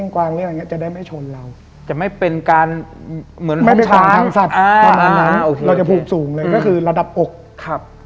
ก็คือระดับอก